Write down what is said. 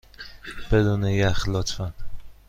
بدون یخ، لطفا.